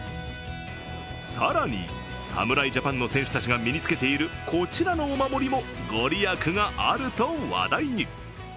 更に、侍ジャパンの選手たちが身につけているこちらの御守もご利益があると話題に。